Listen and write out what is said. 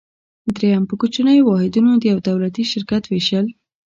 دریم: په کوچنیو واحدونو د یو دولتي شرکت ویشل.